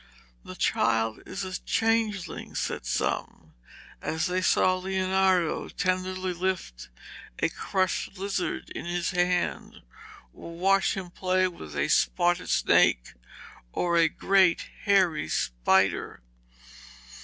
'The child is a changeling,' said some, as they saw Leonardo tenderly lift a crushed lizard in his hand, or watched him play with a spotted snake or great hairy spider.